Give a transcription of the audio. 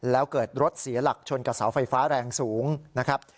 แล้วเกิดรถเสียหลักชนกับเสาไฟฟ้าแรงสูงนะครับ